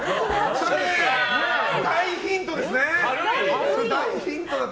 大ヒントですね。